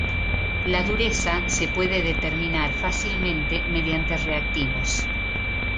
La dureza se puede determinar fácilmente mediante reactivos.